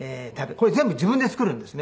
これ全部自分で作るんですね。